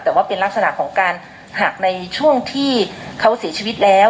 แต่ว่าเป็นลักษณะของการหักในช่วงที่เขาเสียชีวิตแล้ว